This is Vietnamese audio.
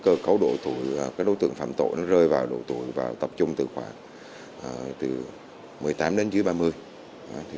cơ cấu đối tượng phạm tội rơi vào đối tượng và tập trung từ khoảng một mươi tám đến dưới ba mươi